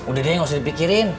udah deh gak usah dipikirin